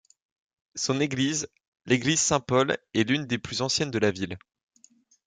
Son église, l'église Saint-Paul est l'une des plus anciennes de la ville.